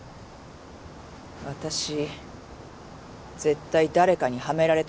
私絶対誰かにはめられたと思う。